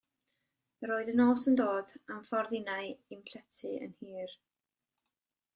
Yr oedd y nos yn dod, a'm ffordd innau i'm llety yn hir.